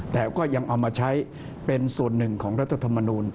แต่ก็ยังเอามาใช้เป็นส่วนหนึ่งของรัฐธรรมนูล